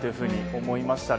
思いましたね。